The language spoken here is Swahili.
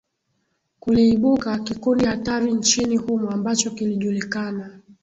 kuliibuka kikundi hatari nchini humo ambacho kilijulikana